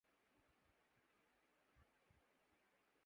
ایجنڈے کے مطابق کل ہی اسپیکر قومی اسمبلی کا الیکشن اور حلف برداری ہوگی۔